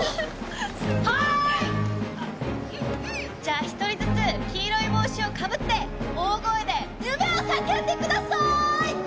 はーい！じゃあ１人ずつ黄色い帽子をかぶって大声で夢を叫んでください！